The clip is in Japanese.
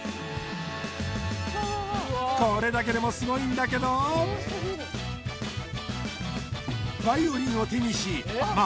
これだけでもすごいんだけどバイオリンを手にしま